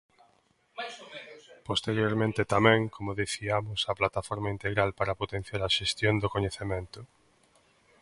Posteriormente tamén, como diciamos, a Plataforma integral para potenciar a xestión do coñecemento.